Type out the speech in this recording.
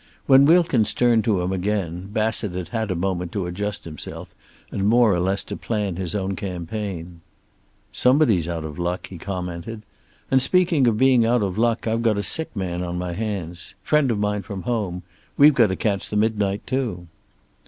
When Wilkins turned to him again Bassett had had a moment to adjust himself, and more or less to plan his own campaign. "Somebody's out of luck," he commented. "And speaking of being out of luck, I've got a sick man on my hands. Friend of mine from home. We've got to catch the midnight, too."